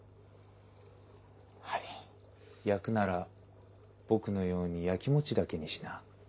焼くなら僕のように焼きもちだけにしな。